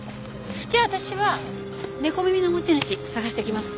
じゃあ私は猫耳の持ち主捜してきます。